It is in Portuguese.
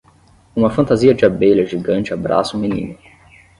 Uma fantasia de abelha gigante abraça um menino.